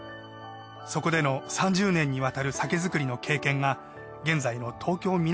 そこでの３０年にわたる酒造りの経験が現在の東京港